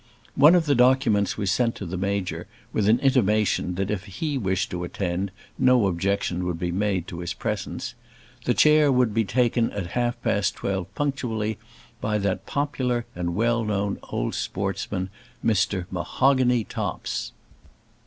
One of the documents was sent to the Major with an intimation that if he wished to attend no objection would be made to his presence. The chair would be taken at half past twelve punctually by that popular and well known old sportsman Mr. Mahogany Topps.